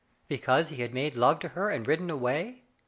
Because he had made love to her and ridden away?